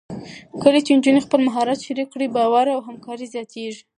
کله چې نجونې خپل مهارت شریک کړي، باور او همکاري زیاتېږي.